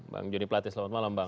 bang juni platih selamat malam bang